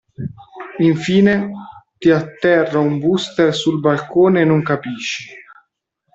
Infine, ti atterra un booster sul balcone e non capisci.